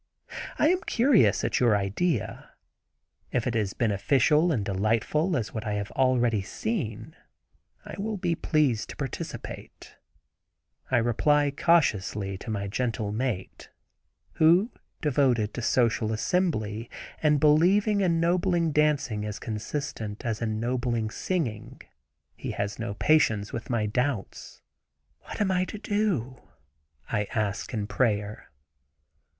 I am curious at your idea. If it is beneficial and delightful as what I have already seen, I will be pleased to participate," I reply, cautiously to my gentle mate, who, devoted to social assembly, and believing ennobling dancing as consistent as ennobling singing, he has no patience with my doubts. "What am I to do?" I ask in prayer.